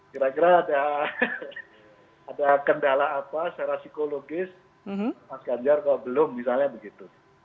kira kira ada kendala apa secara psikologis mas ganjar kalau belum misalnya begitu